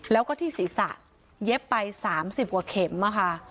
แล้วก็ที่ศีรษะเย็บไปสามสิบกว่าเข็มอะค่ะ